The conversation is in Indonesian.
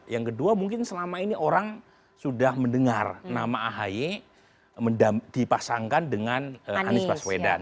yang kedua mungkin selama ini orang sudah mendengar nama ahy dipasangkan dengan anies baswedan